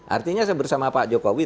artinya saya bersama pak jokowi